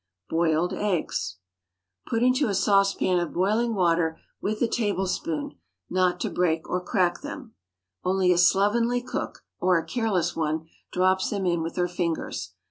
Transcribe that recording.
BOILED EGGS. Put into a saucepan of boiling water with a tablespoon, not to break or crack them. Only a slovenly cook, or a careless one, drops them in with her fingers.